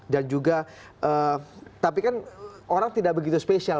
dan juga tapi kan orang tidak begitu spesial